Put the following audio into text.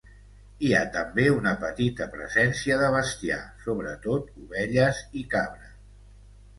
Hi ha també una petita presència de bestiar, sobretot ovelles i cabres.